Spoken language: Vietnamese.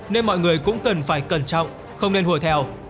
nên mọi người cũng cần phải cẩn trọng không nên hùa theo